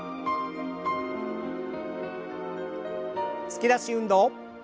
突き出し運動。